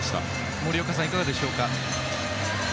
森岡さん、いかがですか？